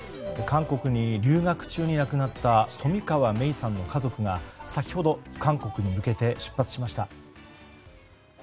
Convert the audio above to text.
韓国に留学中に亡くなった冨川芽生さんの家族が先ほど韓国に向けて出発しました。